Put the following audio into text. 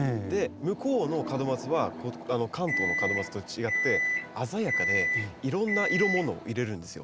向こうの門松は関東の門松と違って鮮やかでいろんな色ものを入れるんですよ。